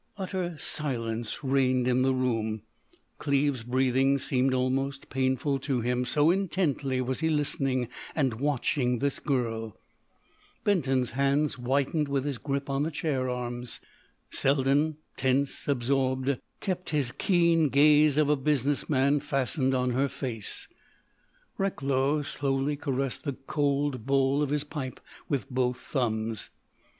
Utter silence reigned in the room: Cleves's breathing seemed almost painful to him so intently was he listening and watching this girl; Benton's hands whitened with his grip on the chair arms; Selden, tense, absorbed, kept his keen gaze of a business man fastened on her face. Recklow slowly caressed the cold bowl of his pipe with both thumbs.